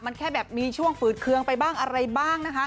มันแค่แบบมีช่วงฝืดเคืองไปบ้างอะไรบ้างนะคะ